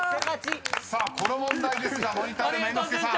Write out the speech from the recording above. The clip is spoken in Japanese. ［さあこの問題ですがモニタールーム猿之助さん